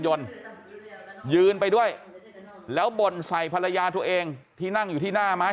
ยนต์ยืนไปด้วยแล้วบ่นใส่ภรรยาตัวเองที่นั่งอยู่ที่หน้าไม้